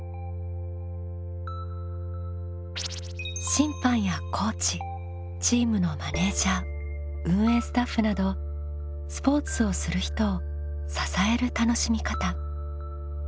審判やコーチチームのマネージャー運営スタッフなどスポーツをする人を「支える」楽しみ方。